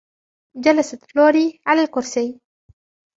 جلست لوري على الكرسي.